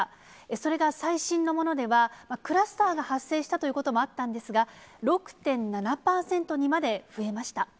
それが最新のものでは、クラスターが発生したということもあったんですが、６．７％にまで増えました。